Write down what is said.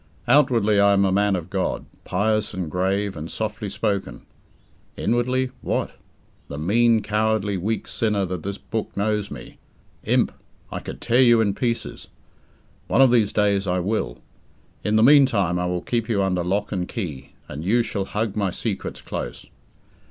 Outwardly I am a man of God, pious and grave and softly spoken. Inwardly what? The mean, cowardly, weak sinner that this book knows me...Imp! I could tear you in pieces!...One of these days I will. In the meantime, I will keep you under lock and key, and you shall hug my secrets close.